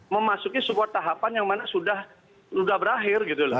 memasuki sebuah tahapan yang mana sudah berakhir gitu loh